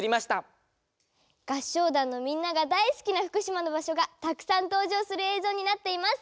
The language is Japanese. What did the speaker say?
合唱団のみんなが大好きな福島の場所がたくさん登場する映像になっています！